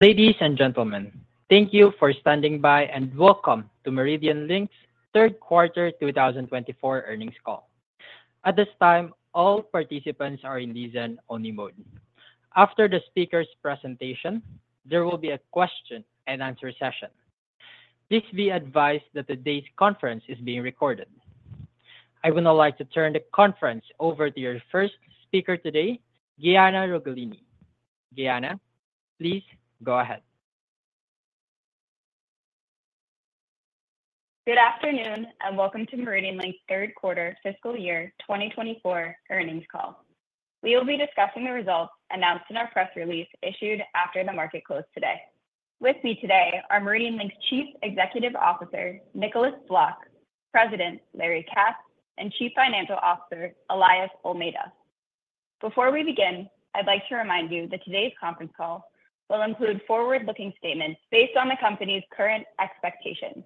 Ladies and gentlemen, thank you for standing by and welcome to MeridianLink's Third Quarter 2024 Earnings Call. At this time, all participants are in listen-only mode. After the speaker's presentation, there will be a question-and-answer session. Please be advised that today's conference is being recorded. I would now like to turn the conference over to your first speaker today, Gianna Rotellini. Gianna, please go ahead. Good afternoon and welcome to MeridianLink's third quarter fiscal year 2024 earnings call. We will be discussing the results announced in our press release issued after the market closed today. With me today are MeridianLink's Chief Executive Officer, Nicholas Vlok, President Larry Katz, and Chief Financial Officer, Elias Olmeta. Before we begin, I'd like to remind you that today's conference call will include forward-looking statements based on the company's current expectations.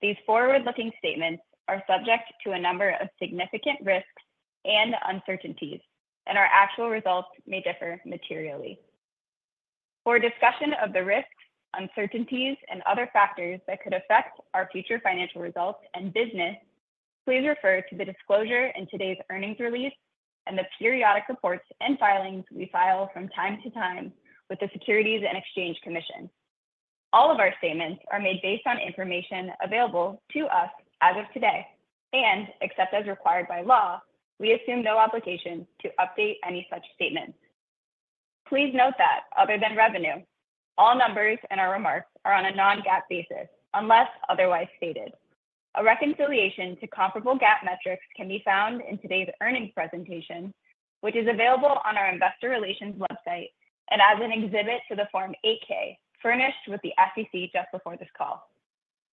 These forward-looking statements are subject to a number of significant risks and uncertainties, and our actual results may differ materially. For discussion of the risks, uncertainties, and other factors that could affect our future financial results and business, please refer to the disclosure in today's earnings release and the periodic reports and filings we file from time to time with the Securities and Exchange Commission. All of our statements are made based on information available to us as of today and, except as required by law, we assume no obligation to update any such statements. Please note that, other than revenue, all numbers in our remarks are on a non-GAAP basis unless otherwise stated. A reconciliation to comparable GAAP metrics can be found in today's earnings presentation, which is available on our investor relations website and as an exhibit to the Form 8-K furnished with the SEC just before this call.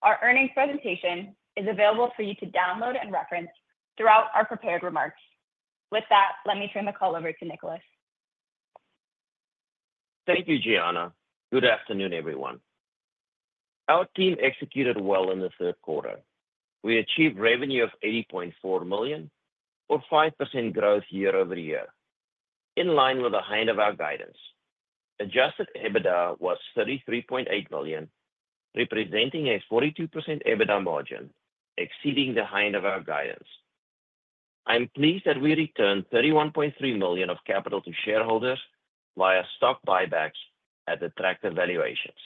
Our earnings presentation is available for you to download and reference throughout our prepared remarks. With that, let me turn the call over to Nicholas. Thank you, Gianna. Good afternoon, everyone. Our team executed well in the third quarter. We achieved revenue of $80.4 million, or 5% growth year-over-year, in line with the height of our guidance. Adjusted EBITDA was $33.8 million, representing a 42% EBITDA margin, exceeding the height of our guidance. I'm pleased that we returned $31.3 million of capital to shareholders via stock buybacks at attractive valuations.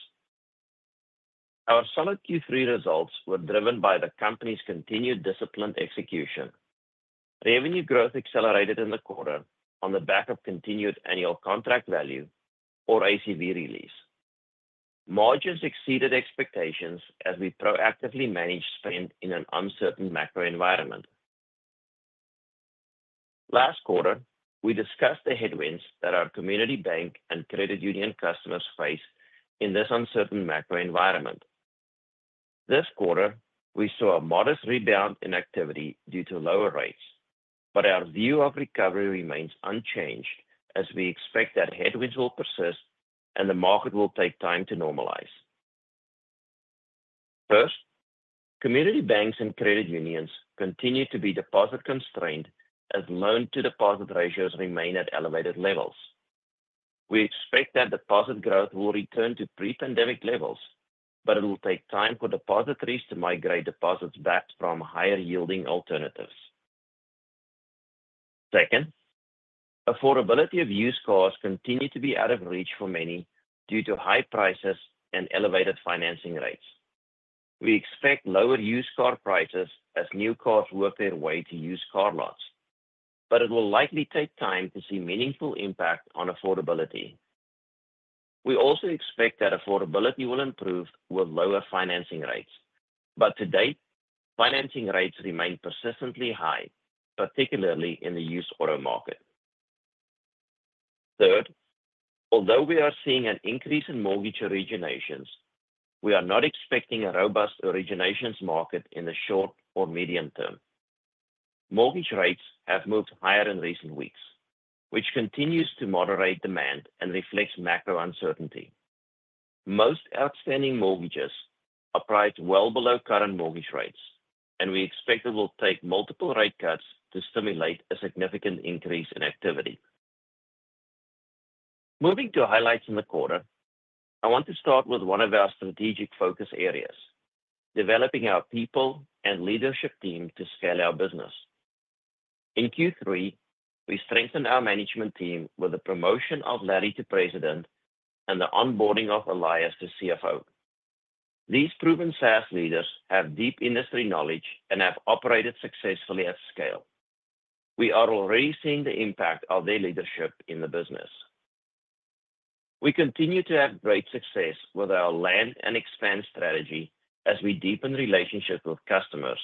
Our solid Q3 results were driven by the company's continued disciplined execution. Revenue growth accelerated in the quarter on the back of continued annual contract value, or ACV release. Margins exceeded expectations as we proactively managed spend in an uncertain macro environment. Last quarter, we discussed the headwinds that our community bank and credit union customers face in this uncertain macro environment. This quarter, we saw a modest rebound in activity due to lower rates, but our view of recovery remains unchanged as we expect that headwinds will persist and the market will take time to normalize. First, community banks and credit unions continue to be deposit-constrained as loan-to-deposit ratios remain at elevated levels. We expect that deposit growth will return to pre-pandemic levels, but it will take time for depositories to migrate deposits back from higher-yielding alternatives. Second, affordability of used cars continues to be out of reach for many due to high prices and elevated financing rates. We expect lower used car prices as new cars work their way to used car lots, but it will likely take time to see meaningful impact on affordability. We also expect that affordability will improve with lower financing rates, but to date, financing rates remain persistently high, particularly in the used auto market. Third, although we are seeing an increase in mortgage originations, we are not expecting a robust originations market in the short or medium term. Mortgage rates have moved higher in recent weeks, which continues to moderate demand and reflects macro uncertainty. Most outstanding mortgages are priced well below current mortgage rates, and we expect it will take multiple rate cuts to stimulate a significant increase in activity. Moving to highlights in the quarter, I want to start with one of our strategic focus areas: developing our people and leadership team to scale our business. In Q3, we strengthened our management team with the promotion of Larry to President and the onboarding of Elias to CFO. These proven SaaS leaders have deep industry knowledge and have operated successfully at scale. We are already seeing the impact of their leadership in the business. We continue to have great success with our land and expand strategy as we deepen relationships with customers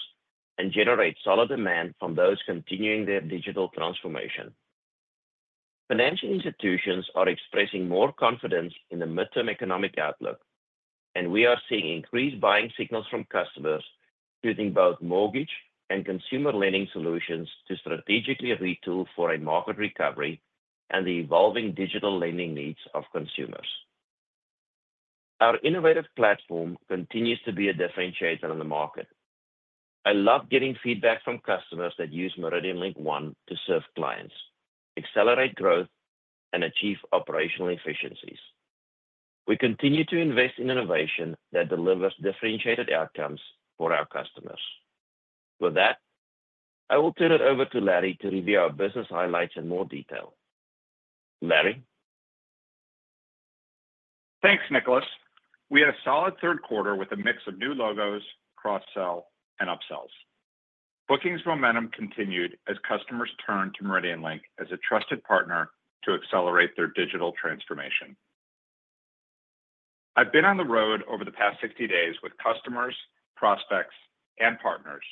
and generate solid demand from those continuing their digital transformation. Financial institutions are expressing more confidence in the midterm economic outlook, and we are seeing increased buying signals from customers choosing both mortgage and consumer lending solutions to strategically retool for a market recovery and the evolving digital lending needs of consumers. Our innovative platform continues to be a differentiator in the market. I love getting feedback from customers that use MeridianLink One to serve clients, accelerate growth, and achieve operational efficiencies. We continue to invest in innovation that delivers differentiated outcomes for our customers. With that, I will turn it over to Larry to review our business highlights in more detail. Larry. Thanks, Nicholas. We had a solid third quarter with a mix of new logos, cross-sell, and upsells. Bookings momentum continued as customers turned to MeridianLink as a trusted partner to accelerate their digital transformation. I've been on the road over the past 60 days with customers, prospects, and partners,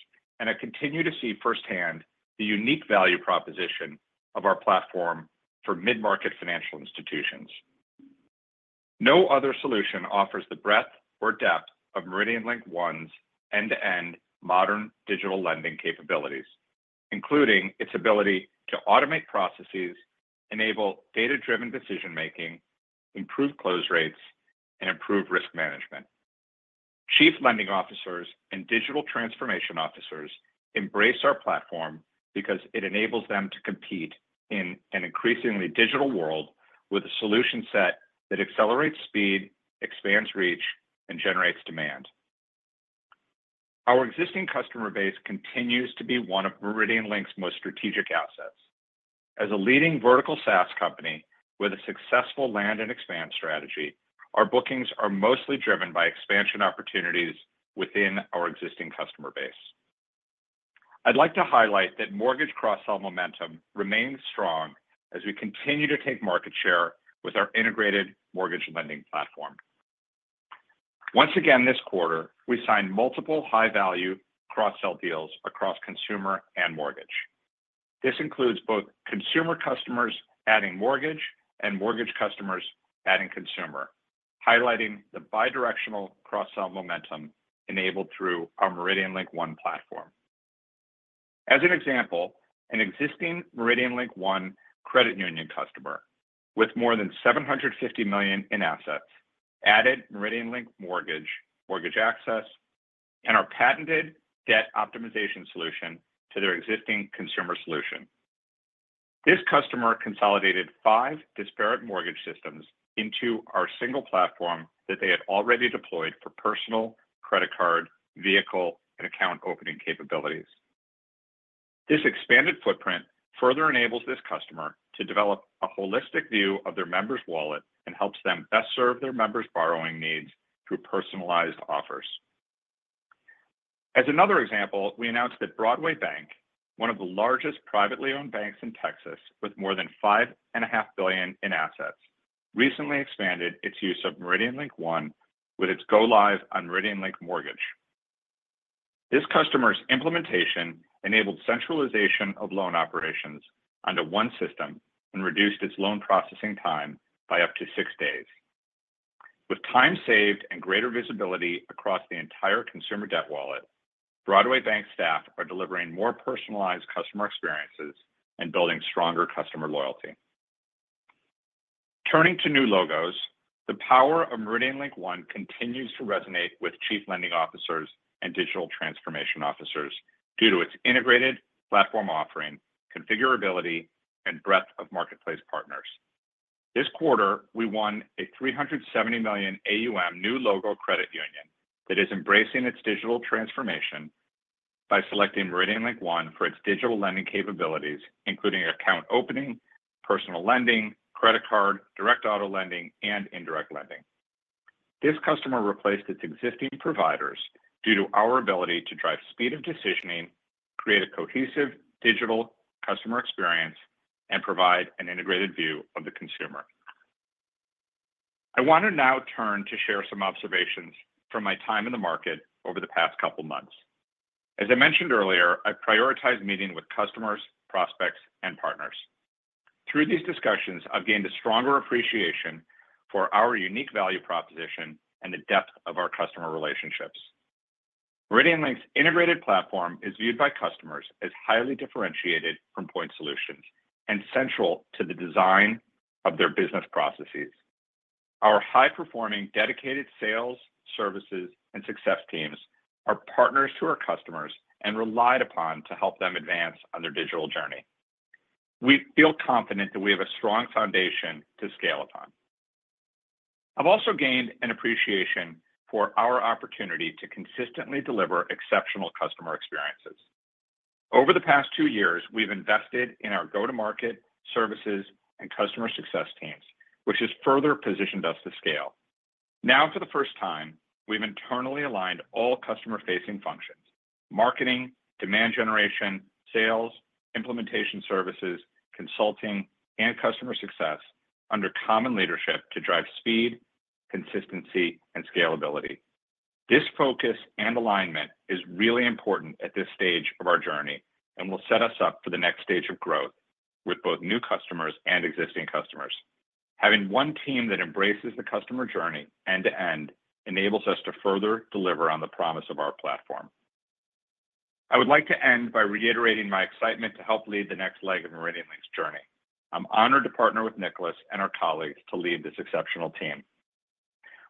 and I continue to see firsthand the unique value proposition of our platform for mid-market financial institutions. No other solution offers the breadth or depth of MeridianLink One's end-to-end modern digital lending capabilities, including its ability to automate processes, enable data-driven decision-making, improve close rates, and improve risk management. Chief lending officers and digital transformation officers embrace our platform because it enables them to compete in an increasingly digital world with a solution set that accelerates speed, expands reach, and generates demand. Our existing customer base continues to be one of MeridianLink's most strategic assets. As a leading vertical SaaS company with a successful land and expand strategy, our bookings are mostly driven by expansion opportunities within our existing customer base. I'd like to highlight that mortgage cross-sell momentum remains strong as we continue to take market share with our integrated mortgage lending platform. Once again this quarter, we signed multiple high-value cross-sell deals across consumer and mortgage. This includes both consumer customers adding mortgage and mortgage customers adding consumer, highlighting the bidirectional cross-sell momentum enabled through our MeridianLink One platform. As an example, an existing MeridianLink One credit union customer with more than $750 million in assets added MeridianLink Mortgage, Mortgage Access and our patented Debt Optimization solution to their existing consumer solution. This customer consolidated five disparate mortgage systems into our single platform that they had already deployed for personal, credit card, vehicle, and account opening capabilities. This expanded footprint further enables this customer to develop a holistic view of their member's wallet and helps them best serve their member's borrowing needs through personalized offers. As another example, we announced that Broadway Bank, one of the largest privately owned banks in Texas with more than $5.5 billion in assets, recently expanded its use of MeridianLink One with its go-live on MeridianLink Mortgage. This customer's implementation enabled centralization of loan operations under one system and reduced its loan processing time by up to six days. With time saved and greater visibility across the entire consumer debt wallet, Broadway Bank staff are delivering more personalized customer experiences and building stronger customer loyalty. Turning to new logos, the power of MeridianLink One continues to resonate with chief lending officers and digital transformation officers due to its integrated platform offering, configurability, and breadth of marketplace partners. This quarter, we won a $370 million AUM new logo credit union that is embracing its digital transformation by selecting MeridianLink One for its digital lending capabilities, including account opening, personal lending, credit card, direct auto lending, and indirect lending. This customer replaced its existing providers due to our ability to drive speed of decisioning, create a cohesive digital customer experience, and provide an integrated view of the consumer. I want to now turn to share some observations from my time in the market over the past couple of months. As I mentioned earlier, I prioritized meeting with customers, prospects, and partners. Through these discussions, I've gained a stronger appreciation for our unique value proposition and the depth of our customer relationships. MeridianLink's integrated platform is viewed by customers as highly differentiated from point solutions and central to the design of their business processes. Our high-performing dedicated sales, services, and success teams are partners to our customers and relied upon to help them advance on their digital journey. We feel confident that we have a strong foundation to scale upon. I've also gained an appreciation for our opportunity to consistently deliver exceptional customer experiences. Over the past two years, we've invested in our go-to-market services and customer success teams, which has further positioned us to scale. Now, for the first time, we've internally aligned all customer-facing functions: marketing, demand generation, sales, implementation services, consulting, and customer success under common leadership to drive speed, consistency, and scalability. This focus and alignment is really important at this stage of our journey and will set us up for the next stage of growth with both new customers and existing customers. Having one team that embraces the customer journey end-to-end enables us to further deliver on the promise of our platform. I would like to end by reiterating my excitement to help lead the next leg of MeridianLink's journey. I'm honored to partner with Nicholas and our colleagues to lead this exceptional team.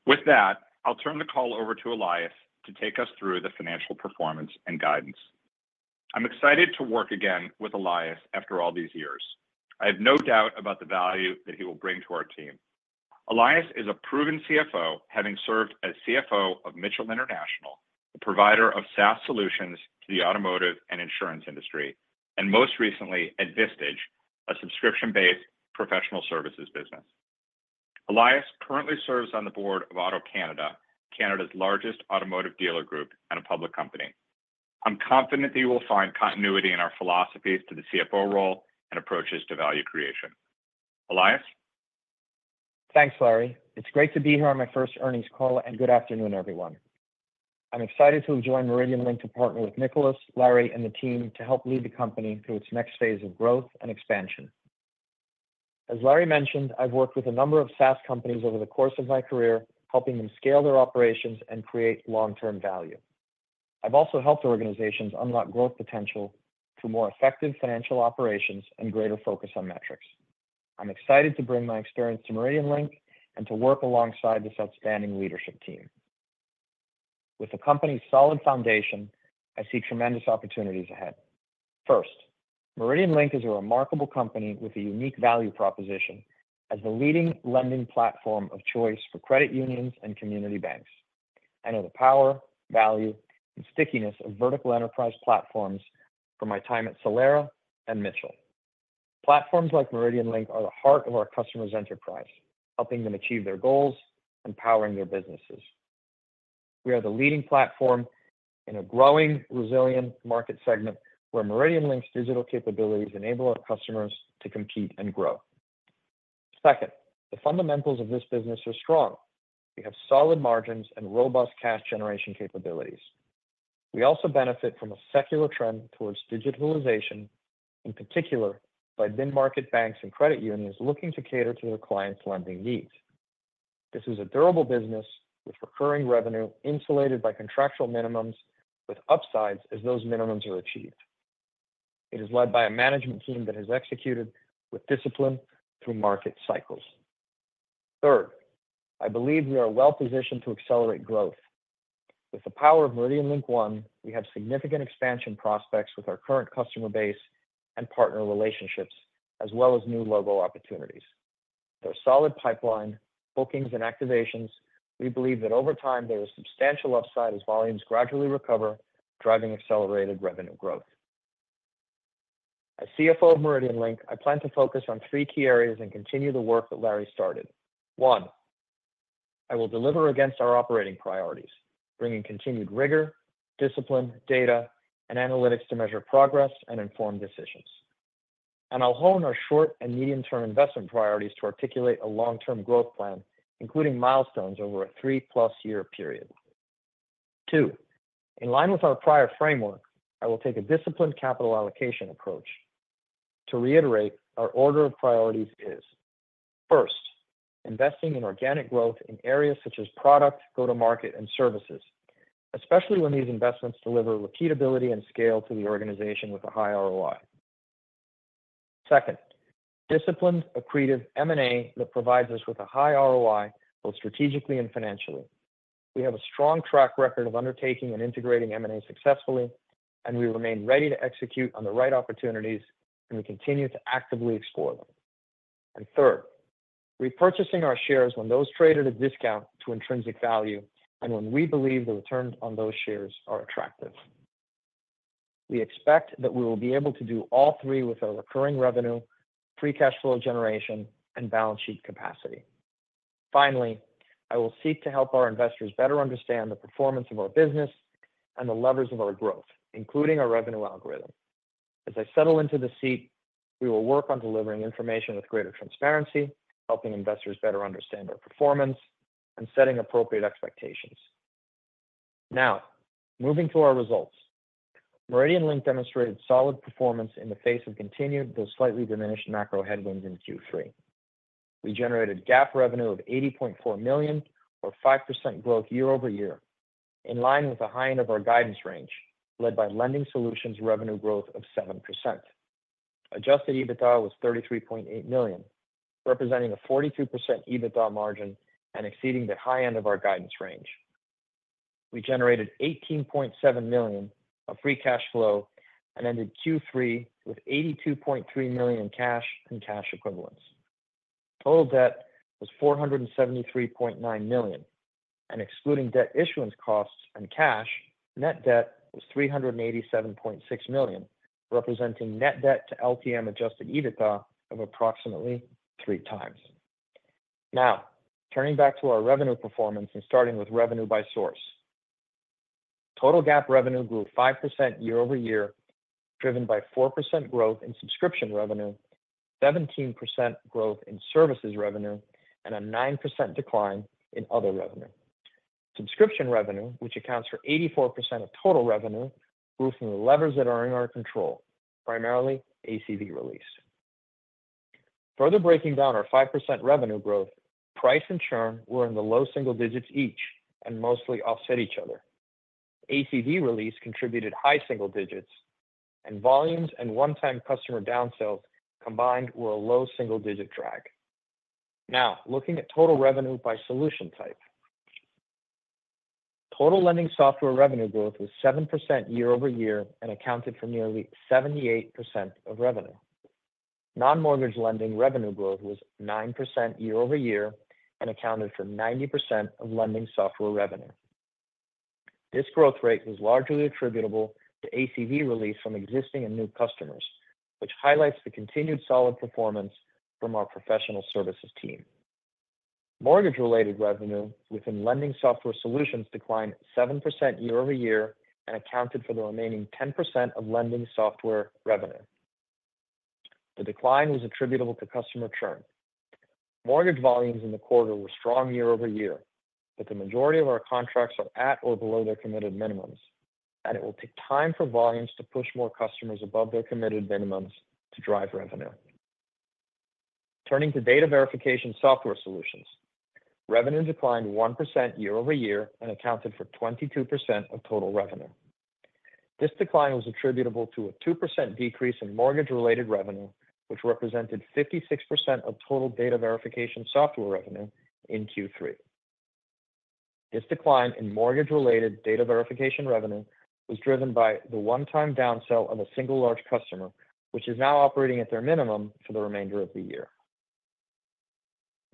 With that, I'll turn the call over to Elias to take us through the financial performance and guidance. I'm excited to work again with Elias after all these years. I have no doubt about the value that he will bring to our team. Elias is a proven CFO, having served as CFO of Mitchell International, a provider of SaaS solutions to the automotive and insurance industry, and most recently at Vistage, a subscription-based professional services business. Elias currently serves on the board of AutoCanada, Canada's largest automotive dealer group and a public company. I'm confident that you will find continuity in our philosophies to the CFO role and approaches to value creation. Elias? Thanks, Larry. It's great to be here on my first earnings call, and good afternoon, everyone. I'm excited to have joined MeridianLink to partner with Nicholas, Larry, and the team to help lead the company through its next phase of growth and expansion. As Larry mentioned, I've worked with a number of SaaS companies over the course of my career, helping them scale their operations and create long-term value. I've also helped organizations unlock growth potential through more effective financial operations and greater focus on metrics. I'm excited to bring my experience to MeridianLink and to work alongside this outstanding leadership team. With the company's solid foundation, I see tremendous opportunities ahead. First, MeridianLink is a remarkable company with a unique value proposition as the leading lending platform of choice for credit unions and community banks. I know the power, value, and stickiness of vertical enterprise platforms from my time at Solera and Mitchell. Platforms like MeridianLink are the heart of our customers' enterprise, helping them achieve their goals and powering their businesses. We are the leading platform in a growing, resilient market segment where MeridianLink's digital capabilities enable our customers to compete and grow. Second, the fundamentals of this business are strong. We have solid margins and robust cash generation capabilities. We also benefit from a secular trend towards digitalization, in particular by mid-market banks and credit unions looking to cater to their clients' lending needs. This is a durable business with recurring revenue insulated by contractual minimums, with upsides as those minimums are achieved. It is led by a management team that has executed with discipline through market cycles. Third, I believe we are well-positioned to accelerate growth. With the power of MeridianLink One, we have significant expansion prospects with our current customer base and partner relationships, as well as new logo opportunities. With our solid pipeline, bookings, and activations, we believe that over time there is substantial upside as volumes gradually recover, driving accelerated revenue growth. As CFO of MeridianLink, I plan to focus on three key areas and continue the work that Larry started. One, I will deliver against our operating priorities, bringing continued rigor, discipline, data, and analytics to measure progress and inform decisions. And I'll hone our short and medium-term investment priorities to articulate a long-term growth plan, including milestones over a three-plus-year period. Two, in line with our prior framework, I will take a disciplined capital allocation approach. To reiterate, our order of priorities is: first, investing in organic growth in areas such as product, go-to-market, and services, especially when these investments deliver repeatability and scale to the organization with a high ROI. Second, disciplined, accretive M&A that provides us with a high ROI both strategically and financially. We have a strong track record of undertaking and integrating M&A successfully, and we remain ready to execute on the right opportunities, and we continue to actively explore them. And third, repurchasing our shares when those traded at discount to intrinsic value and when we believe the returns on those shares are attractive. We expect that we will be able to do all three with our recurring revenue, free cash flow generation, and balance sheet capacity. Finally, I will seek to help our investors better understand the performance of our business and the levers of our growth, including our revenue algorithm. As I settle into the seat, we will work on delivering information with greater transparency, helping investors better understand our performance and setting appropriate expectations. Now, moving to our results. MeridianLink demonstrated solid performance in the face of continued though slightly diminished macro headwinds in Q3. We generated GAAP revenue of $80.4 million, or 5% growth year-over-year, in line with the high end of our guidance range, led by lending solutions' revenue growth of 7%. Adjusted EBITDA was $33.8 million, representing a 42% EBITDA margin and exceeding the high end of our guidance range. We generated $18.7 million of free cash flow and ended Q3 with $82.3 million in cash and cash equivalents. Total debt was $473.9 million, and excluding debt issuance costs and cash, net debt was $387.6 million, representing net debt to LTM Adjusted EBITDA of approximately three times. Now, turning back to our revenue performance and starting with revenue by source. Total GAAP revenue grew 5% year-over-year, driven by 4% growth in subscription revenue, 17% growth in services revenue, and a 9% decline in other revenue. Subscription revenue, which accounts for 84% of total revenue, grew from the levers that are in our control, primarily ACV release. Further breaking down our 5% revenue growth, price and churn were in the low single digits each and mostly offset each other. ACV release contributed high single digits, and volumes and one-time customer downsells combined were a low single-digit drag. Now, looking at total revenue by solution type. Total lending software revenue growth was 7% year-over-year and accounted for nearly 78% of revenue. Non-mortgage lending revenue growth was 9% year-over-year and accounted for 90% of lending software revenue. This growth rate was largely attributable to ACV release from existing and new customers, which highlights the continued solid performance from our professional services team. Mortgage-related revenue within lending software solutions declined 7% year-over-year and accounted for the remaining 10% of lending software revenue. The decline was attributable to customer churn. Mortgage volumes in the quarter were strong year-over-year, but the majority of our contracts are at or below their committed minimums, and it will take time for volumes to push more customers above their committed minimums to drive revenue. Turning to data verification software solutions, revenue declined 1% year-over-year and accounted for 22% of total revenue. This decline was attributable to a 2% decrease in mortgage-related revenue, which represented 56% of total data verification software revenue in Q3. This decline in mortgage-related data verification revenue was driven by the one-time downsell of a single large customer, which is now operating at their minimum for the remainder of the year.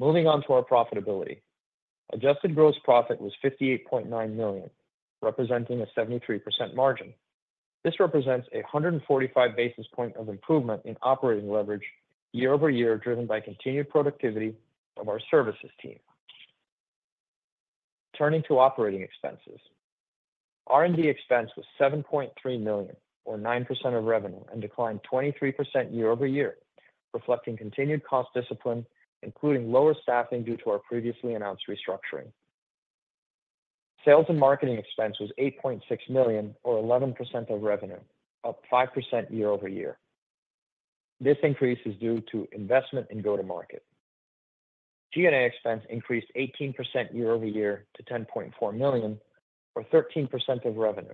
Moving on to our profitability. Adjusted gross profit was $58.9 million, representing a 73% margin. This represents a 145 basis points of improvement in operating leverage year-over-year, driven by continued productivity of our services team. Turning to operating expenses. R&D expense was $7.3 million, or 9% of revenue, and declined 23% year-over-year, reflecting continued cost discipline, including lower staffing due to our previously announced restructuring. Sales and marketing expense was $8.6 million, or 11% of revenue, up 5% year-over-year. This increase is due to investment in go-to-market. G&A expense increased 18% year-over-year to $10.4 million, or 13% of revenue,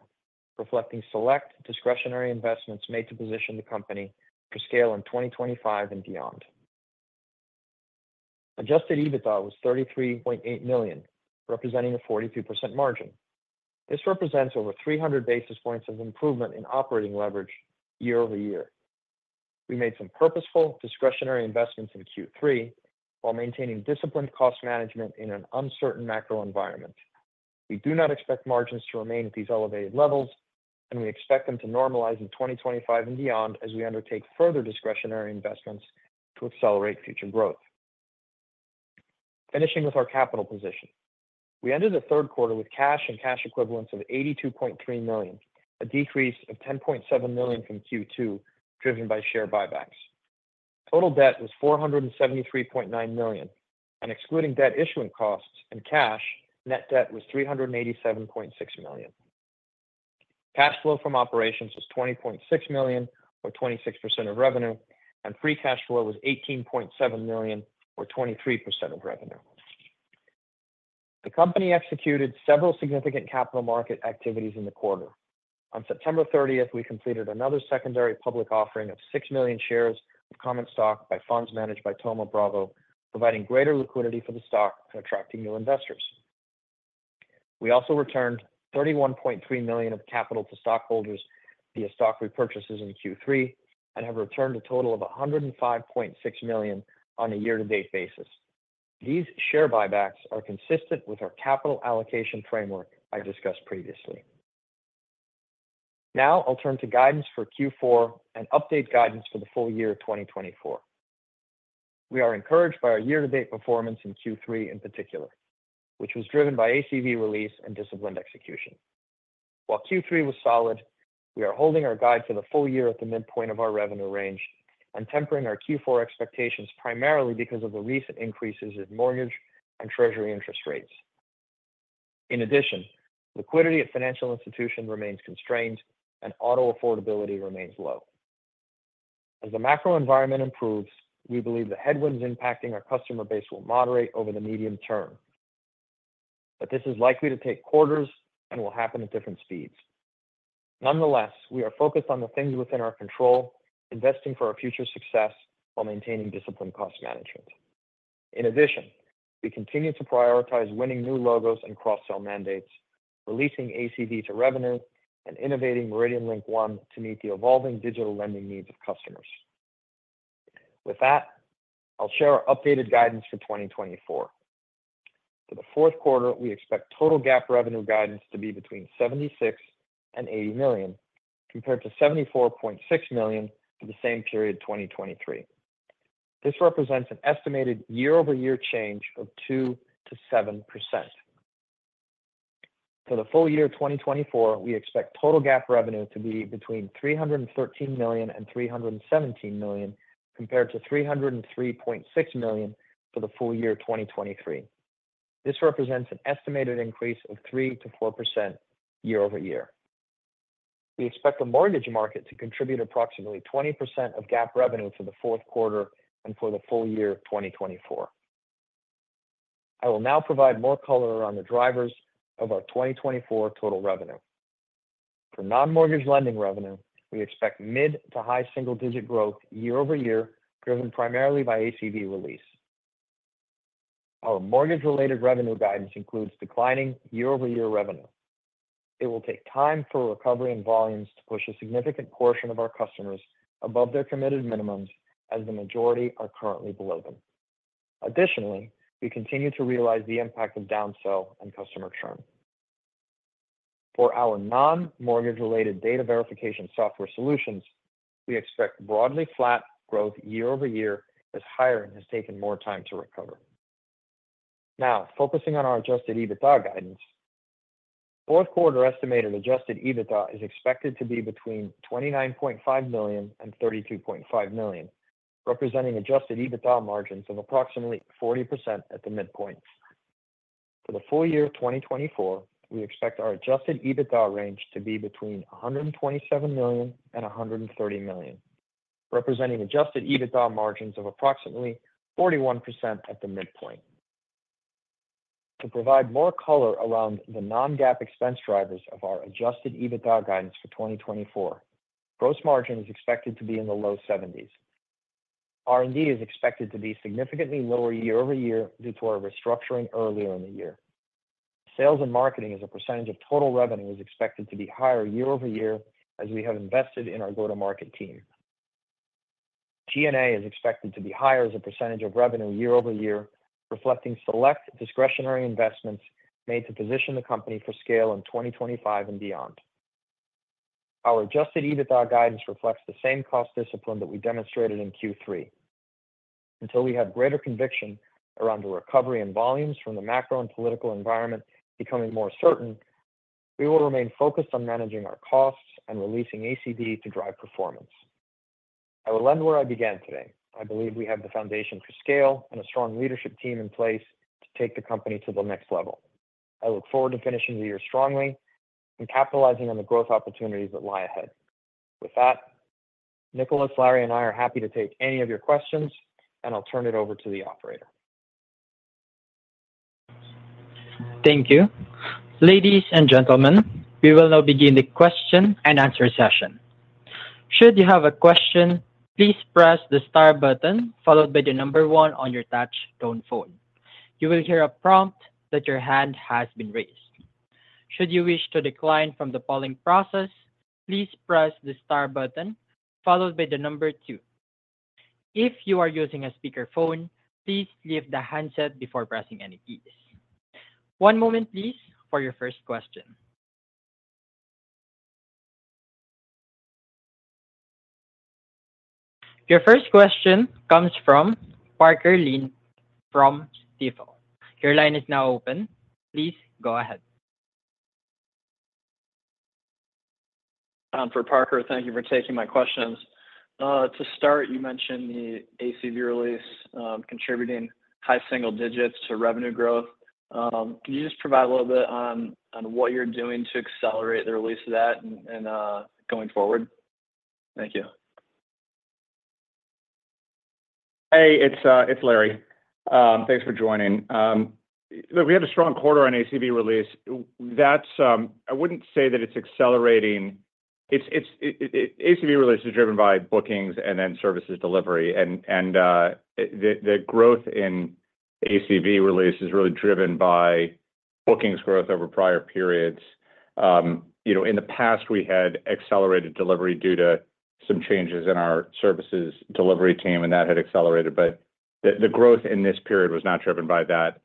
reflecting select discretionary investments made to position the company for scale in 2025 and beyond. Adjusted EBITDA was $33.8 million, representing a 42% margin. This represents over 300 basis points of improvement in operating leverage year-over-year. We made some purposeful discretionary investments in Q3 while maintaining disciplined cost management in an uncertain macro environment. We do not expect margins to remain at these elevated levels, and we expect them to normalize in 2025 and beyond as we undertake further discretionary investments to accelerate future growth. Finishing with our capital position. We ended the third quarter with cash and cash equivalents of $82.3 million, a decrease of $10.7 million from Q2, driven by share buybacks. Total debt was $473.9 million, and excluding debt issuance costs and cash, net debt was $387.6 million. Cash flow from operations was $20.6 million, or 26% of revenue, and free cash flow was $18.7 million, or 23% of revenue. The company executed several significant capital market activities in the quarter. On September 30th, we completed another secondary public offering of 6 million shares of common stock by funds managed by Thoma Bravo, providing greater liquidity for the stock and attracting new investors. We also returned $31.3 million of capital to stockholders via stock repurchases in Q3 and have returned a total of $105.6 million on a year-to-date basis. These share buybacks are consistent with our capital allocation framework I discussed previously. Now, I'll turn to guidance for Q4 and update guidance for the full year 2024. We are encouraged by our year-to-date performance in Q3 in particular, which was driven by ACV release and disciplined execution. While Q3 was solid, we are holding our guide for the full year at the midpoint of our revenue range and tempering our Q4 expectations primarily because of the recent increases in mortgage and treasury interest rates. In addition, liquidity at financial institutions remains constrained, and auto affordability remains low. As the macro environment improves, we believe the headwinds impacting our customer base will moderate over the medium term, but this is likely to take quarters and will happen at different speeds. Nonetheless, we are focused on the things within our control, investing for our future success while maintaining disciplined cost management. In addition, we continue to prioritize winning new logos and cross-sell mandates, releasing ACV to revenue, and innovating MeridianLink One to meet the evolving digital lending needs of customers. With that, I'll share our updated guidance for 2024. For the fourth quarter, we expect total GAAP revenue guidance to be between $76 and $80 million, compared to $74.6 million for the same period 2023. This represents an estimated year-over-year change of 2%-7%. For the full year 2024, we expect total GAAP revenue to be between $313 million and $317 million, compared to $303.6 million for the full year 2023. This represents an estimated increase of 3%-4% year-over-year. We expect the mortgage market to contribute approximately 20% of GAAP revenue for the fourth quarter and for the full year 2024. I will now provide more color around the drivers of our 2024 total revenue. For non-mortgage lending revenue, we expect mid to high single-digit growth year-over-year, driven primarily by ACV release. Our mortgage-related revenue guidance includes declining year-over-year revenue. It will take time for recovery in volumes to push a significant portion of our customers above their committed minimums, as the majority are currently below them. Additionally, we continue to realize the impact of downsell and customer churn. For our non-mortgage-related data verification software solutions, we expect broadly flat growth year-over-year, as hiring has taken more time to recover. Now, focusing on our Adjusted EBITDA guidance. Fourth quarter estimated Adjusted EBITDA is expected to be between $29.5 million and $32.5 million, representing Adjusted EBITDA margins of approximately 40% at the midpoint. For the full year 2024, we expect our Adjusted EBITDA range to be between $127 million and $130 million, representing Adjusted EBITDA margins of approximately 41% at the midpoint. To provide more color around the non-GAAP expense drivers of our Adjusted EBITDA guidance for 2024, gross margin is expected to be in the low 70s. R&D is expected to be significantly lower year-over-year due to our restructuring earlier in the year. Sales and marketing as a percentage of total revenue is expected to be higher year-over-year as we have invested in our go-to-market team. G&A is expected to be higher as a percentage of revenue year-over-year, reflecting select discretionary investments made to position the company for scale in 2025 and beyond. Our adjusted EBITDA guidance reflects the same cost discipline that we demonstrated in Q3. Until we have greater conviction around the recovery in volumes from the macro and political environment becoming more certain, we will remain focused on managing our costs and releasing ACV to drive performance. I will end where I began today. I believe we have the foundation for scale and a strong leadership team in place to take the company to the next level. I look forward to finishing the year strongly and capitalizing on the growth opportunities that lie ahead. With that, Nicholas, Larry, and I are happy to take any of your questions, and I'll turn it over to the operator. Thank you. Ladies and gentlemen, we will now begin the question and answer session. Should you have a question, please press the star button followed by the number one on your touch-tone phone. You will hear a prompt that your hand has been raised. Should you wish to decline from the polling process, please press the star button followed by the number two. If you are using a speakerphone, please leave the handset before pressing any keys. One moment, please, for your first question. Your first question comes from Parker Lane from Stifel. Your line is now open. Please go ahead. Thank you for taking my questions. To start, you mentioned the ACV release contributing high single digits to revenue growth. Can you just provide a little bit on what you're doing to accelerate the release of that and going forward? Thank you. Hey, it's Larry. Thanks for joining. Look, we had a strong quarter on ACV release. I wouldn't say that it's accelerating. ACV release is driven by bookings and then services delivery, and the growth in ACV release is really driven by bookings growth over prior periods. In the past, we had accelerated delivery due to some changes in our services delivery team, and that had accelerated, but the growth in this period was not driven by that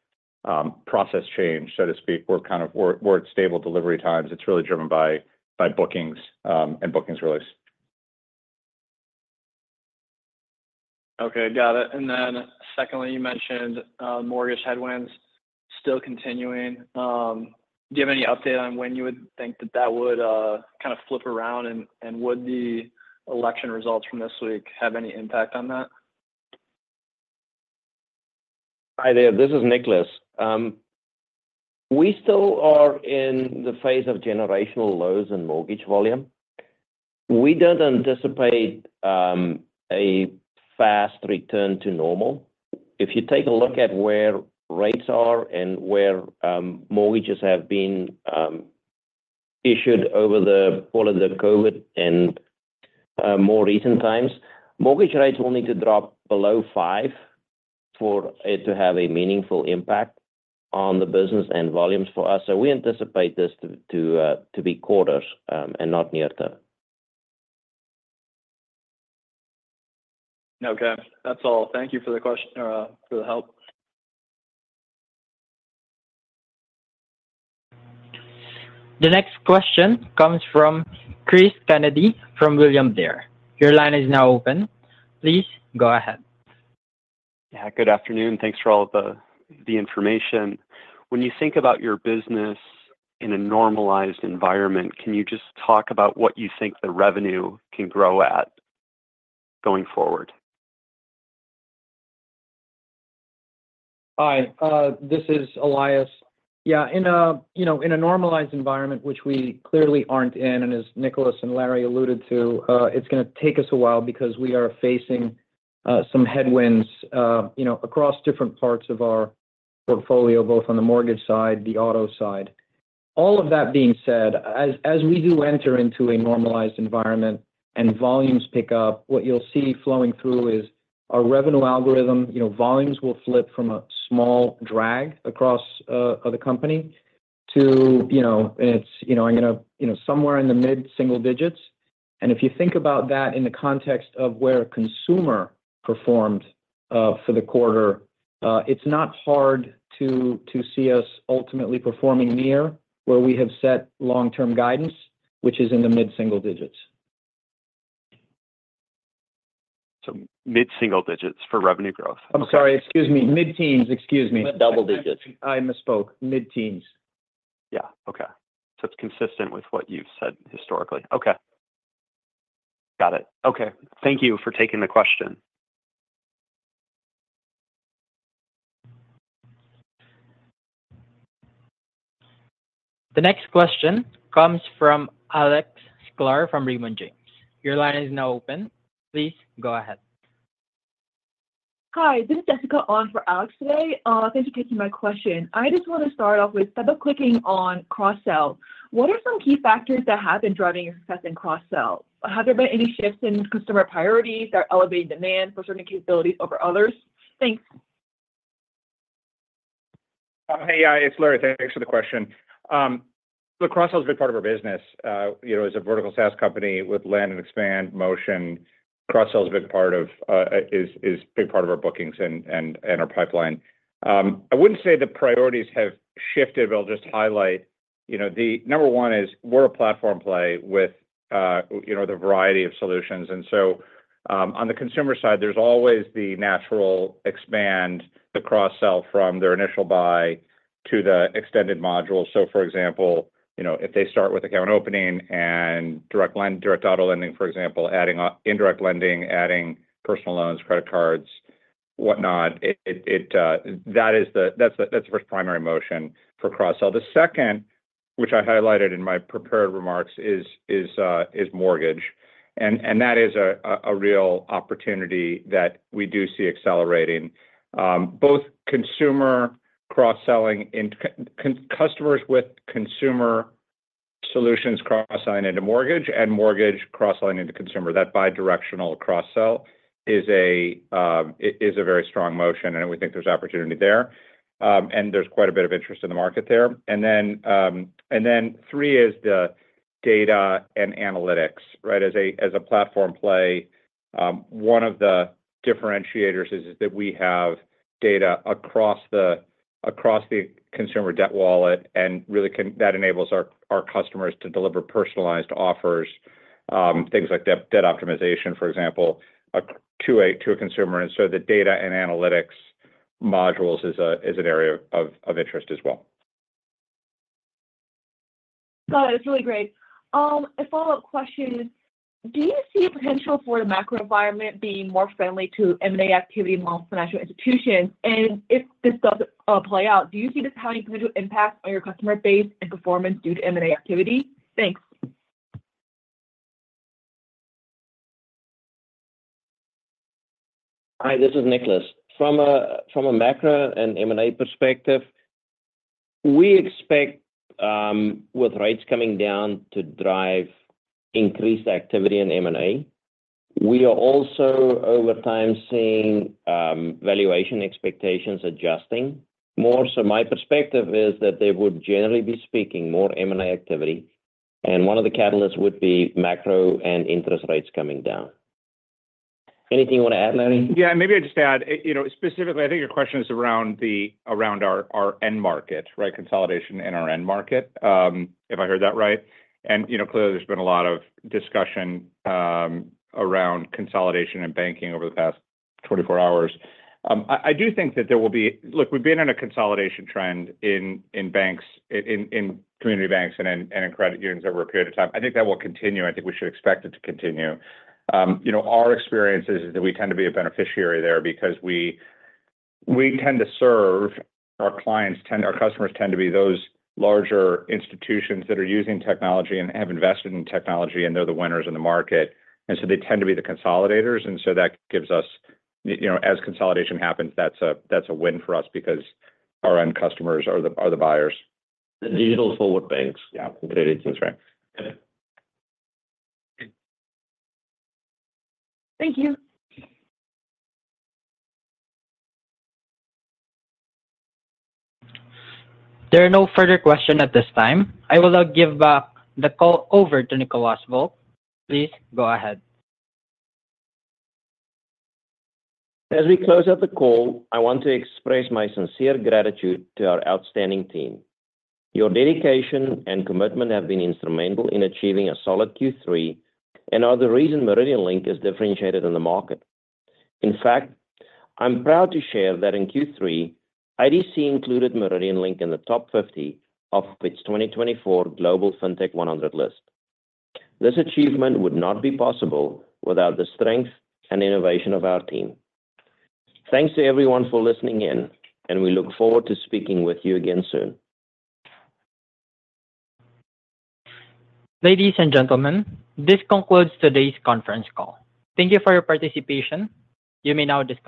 process change, so to speak. We're at stable delivery times. It's really driven by bookings and bookings release. Okay, got it. And then secondly, you mentioned mortgage headwinds still continuing. Do you have any update on when you would think that that would kind of flip around, and would the election results from this week have any impact on that? Hi, there. This is Nicholas. We still are in the phase of generational lows in mortgage volume. We don't anticipate a fast return to normal. If you take a look at where rates are and where mortgages have been issued over the COVID and more recent times, mortgage rates will need to drop below five for it to have a meaningful impact on the business and volumes for us. So we anticipate this to be quarters and not near term. Okay. That's all. Thank you for the help. The next question comes from Chris Kennedy from William Blair. Your line is now open. Please go ahead. Yeah, good afternoon. Thanks for all of the information. When you think about your business in a normalized environment, can you just talk about what you think the revenue can grow at going forward? Hi, this is Elias. Yeah, in a normalized environment, which we clearly aren't in, and as Nicholas and Larry alluded to, it's going to take us a while because we are facing some headwinds across different parts of our portfolio, both on the mortgage side, the auto side. All of that being said, as we do enter into a normalized environment and volumes pick up, what you'll see flowing through is our revenue algorithm. Volumes will flip from a small drag across the company to, I'm going to, somewhere in the mid-single digits. And if you think about that in the context of where a consumer performed for the quarter, it's not hard to see us ultimately performing near where we have set long-term guidance, which is in the mid-single digits. So mid-single digits for revenue growth. I'm sorry. Excuse me. Mid-teens. Excuse me. Double digits. I misspoke. Mid-teens. Yeah. Okay. So it's consistent with what you've said historically. Okay. Got it. Okay. Thank you for taking the question. The next question comes from Alex Sklar from Raymond James. Your line is now open. Please go ahead. Hi. This is Jessica Ong for Alex today. Thanks for taking my question. I just want to start off with double-clicking on cross-sell. What are some key factors that have been driving success in cross-sell? Have there been any shifts in customer priorities that are elevating demand for certain capabilities over others? Thanks. Hey, it's Larry. Thanks for the question. Look, cross-sell is a big part of our business. As a vertical SaaS company with Land and Expand Motion, cross-sell is a big part of our bookings and our pipeline. I wouldn't say the priorities have shifted, but I'll just highlight. Number one, we're a platform play with the variety of solutions, and so on the consumer side, there's always the natural expand, the cross-sell from their initial buy to the extended module, so for example, if they start with account opening and direct auto lending, for example, adding indirect lending, adding personal loans, credit cards, whatnot, that's the first primary motion for cross-sell. The second, which I highlighted in my prepared remarks, is mortgage, and that is a real opportunity that we do see accelerating. Both consumer cross-selling, customers with consumer solutions cross-selling into mortgage and mortgage cross-selling into consumer, that bidirectional cross-sell is a very strong motion, and we think there's opportunity there, and there's quite a bit of interest in the market there, then three is the data and analytics, right? As a platform play, one of the differentiators is that we have data across the consumer debt wallet, and really that enables our customers to deliver personalized offers, things like debt optimization, for example, to a consumer, and so the data and analytics modules is an area of interest as well. That's really great. A follow-up question is, do you see a potential for the macro environment being more friendly to M&A activity among financial institutions, and if this does play out, do you see this having a potential impact on your customer base and performance due to M&A activity? Thanks. Hi, this is Nicholas. From a macro and M&A perspective, we expect with rates coming down to drive increased activity in M&A. We are also, over time, seeing valuation expectations adjusting more. So my perspective is that there would generally be speaking more M&A activity. And one of the catalysts would be macro and interest rates coming down. Anything you want to add, Larry? Yeah, maybe I'd just add, specifically, I think your question is around our end market, right? Consolidation in our end market, if I heard that right. And clearly, there's been a lot of discussion around consolidation and banking over the past 24 hours. I do think that there will be. Look, we've been in a consolidation trend in community banks and in credit unions over a period of time. I think that will continue. I think we should expect it to continue. Our experience is that we tend to be a beneficiary there because we tend to serve our clients. Our customers tend to be those larger institutions that are using technology and have invested in technology, and they're the winners in the market. And so they tend to be the consolidators. And so that gives us, as consolidation happens, that's a win for us because our end customers are the buyers. The digital forward banks, yeah, completely different. Thank you. There are no further questions at this time. I will now give the call over to Nicolaas Vlok. Please go ahead. As we close out the call, I want to express my sincere gratitude to our outstanding team. Your dedication and commitment have been instrumental in achieving a solid Q3 and are the reason MeridianLink is differentiated in the market. In fact, I'm proud to share that in Q3, IDC included MeridianLink in the top 50 of its 2024 Global FinTech 100 list. This achievement would not be possible without the strength and innovation of our team. Thanks to everyone for listening in, and we look forward to speaking with you again soon. Ladies and gentlemen, this concludes today's conference call. Thank you for your participation. You may now disconnect.